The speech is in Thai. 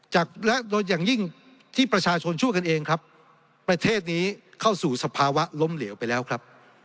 โดยอย่างยิ่งที่ประชาชนช่วยกันเองครับประเทศนี้เข้าสู่สภาวะล้มเหลวไปแล้วครับ